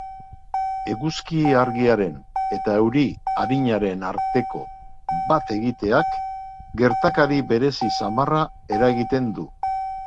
Eguzki argiaren eta euri arinaren arteko bat egiteak gertakari berezi samarra eragiten du.